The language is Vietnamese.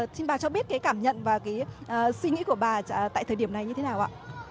xin bà cho biết cái cảm nhận và cái suy nghĩ của bà tại thời điểm này như thế nào ạ